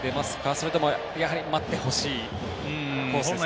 それとも、やはり待ってほしいコースですか？